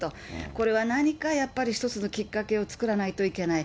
これは何かやっぱり一つのきっかけを作らないといけない。